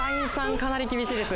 かなり厳しいです。